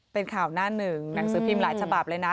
เป็นข่าวหน้าหนึ่งหนังสือพิมพ์หลายฉบับเลยนะ